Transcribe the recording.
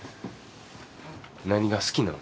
何が好きなん？